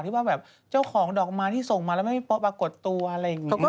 ที่บอกแบบเจ้าของดอกมาที่ส่งมาแล้วไม่มีประกฎตัวอะไรอย่างงี้